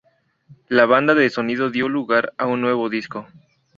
La banda de sonido dio lugar a un nuevo disco.